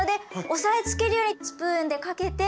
押さえつけるようにスプーンでかけて。